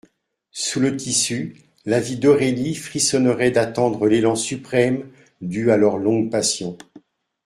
Sous le tissu, la vie d'Aurélie frissonnerait d'attendre l'élan suprême dû à leur longue passion.